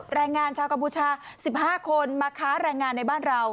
แรงงานชาวกัมพูชา๑๕คนมาค้าแรงงานในบ้านเรา